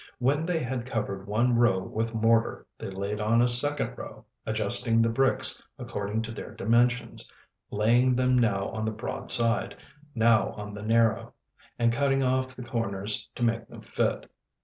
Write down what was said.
When they had covered one row with mortar they laid on a second row, adjusting the bricks according to their dimensions, laying them now on the broad side, now on the narrow, and cutting off the corners to make them fit.